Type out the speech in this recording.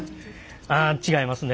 あ違いますね。